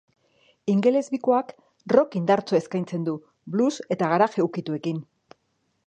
Ingeles bikoak rock indartsua eskaintzen du, blues eta garaje ukituekin.